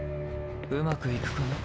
うまくいくかな。